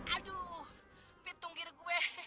aduh pitunggir gue